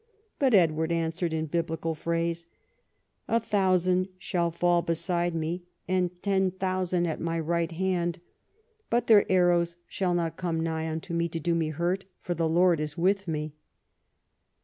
But Edward answered in Biblical phrase, " A thousand shall fall beside me, and ten thou IV • THE KING AND HIS WORK 71 sand at my right hand, hut their arrows shall not come nigh unto me to do me hurt, for the Lord is with me."